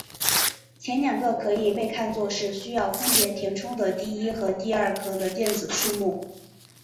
前两个可以被看作是需要分别填充的第一和第二壳的电子数目。